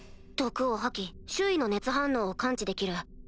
毒を吐き周囲の熱反応を感知できる。